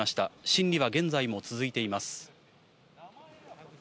審理は現在も続いています。